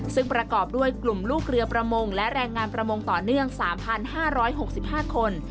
ซึ่งประกอบด้วยกลุ่มลูกเรือประมงและแรงงานประมงต่อเนื่อง๓๕๖๕คน